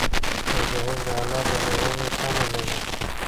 مجاهد د الله د لورینې تمه لري.